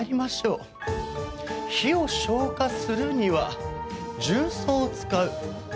火を消火するには重曹を使う。